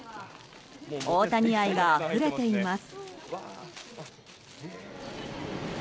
大谷愛があふれています。